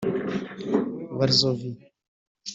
Varsovie